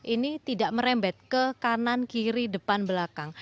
ini tidak merembet ke kanan kiri depan belakang